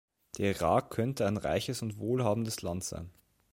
Der Irak könnte ein reiches und wohlhabendes Land sein.